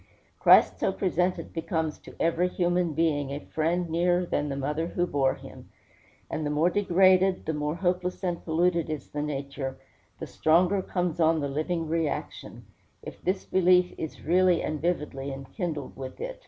Christ so presented becomes to every human being a friend nearer than the mother who bore him; and the more degraded, the more hopeless and polluted is the nature, the stronger comes on the living reaction, if this belief is really and vividly enkindled with it.